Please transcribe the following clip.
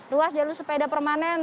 ruas jalur sepeda permanen